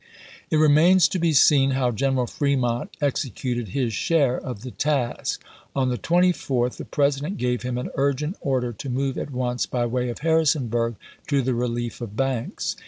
It remains to be seen how Greneral Fremont ex ecuted his share of the task. On the 24th the Ibid.. President gave him an urgent order to move at ^p^.'eJ.' once, by way of Harrisonburg, to the relief of Banks.